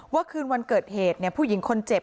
คืนวันเกิดเหตุผู้หญิงคนเจ็บ